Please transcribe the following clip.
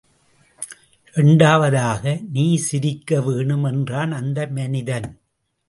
இரண்டாவதாக நீ சிரிக்க வேணும், என்றான் அந்த மனிதன்.